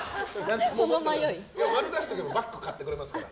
○出しておけばバッグ買ってくれますから。